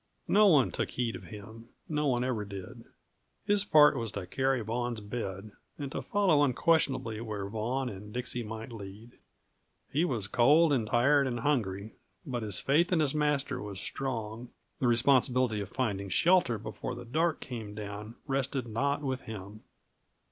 No one took heed of him; no one ever did. His part was to carry Vaughan's bed, and to follow unquestionably where Vaughan and Dixie might lead. He was cold and tired and hungry, but his faith in his master was strong; the responsibility of finding shelter before the dark came down rested not with him.